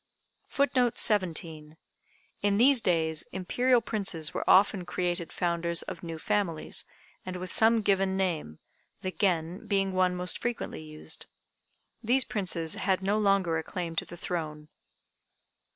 ] [Footnote 17: In these days Imperial Princes were often created founders of new families, and with some given name, the Gen being one most frequently used. These Princes had no longer a claim to the throne.